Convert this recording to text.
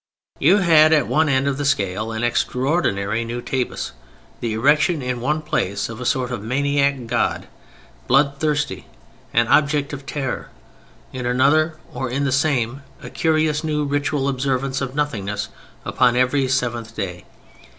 You had at one end of the scale an extraordinary new tabus, the erection in one place of a sort of maniac god, blood thirsty, an object of terror. In another (or the same) a curious new ritual observance of nothingness upon every seventh day.